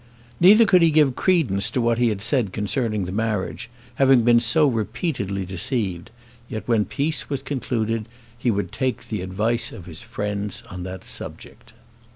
Neither could he give credence to what he had said concerning the marriage, having been so repeatedly deceived; yet when peace was concluded, he would take the advice of his friends upon that subject."